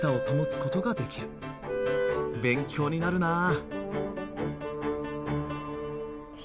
勉強になるなあ！